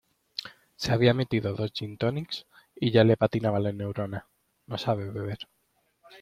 Se había metido dos gintonics y ya le patinaba la neurona; no sabe beber.